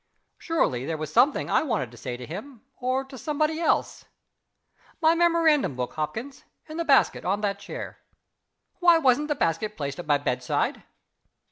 "Surely, there was something I wanted to say to him or to somebody else? My memorandum book, Hopkins. In the basket, on that chair. Why wasn't the basket placed by my bedside?"